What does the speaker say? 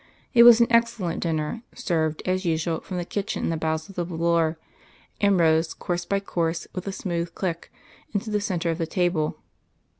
It was an excellent dinner, served, as usual, from the kitchen in the bowels of the volor, and rose, course by course, with a smooth click, into the centre of the table.